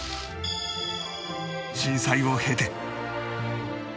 震災を経て